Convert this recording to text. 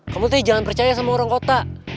kamu tuh jangan percaya sama orang kota